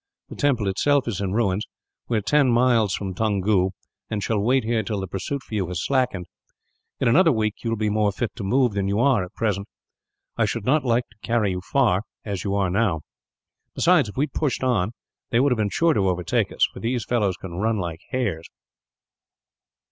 The temple itself is in ruins. We are ten miles from Toungoo, and shall wait here till the pursuit for you has slackened. In another week, you will be more fit to move than you are, at present. I should not like to carry you far, as you are now. Besides, if we had pushed on, they would have been sure to overtake us; for these fellows can run like hares."